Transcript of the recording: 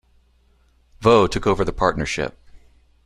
Vaux took over the partnership.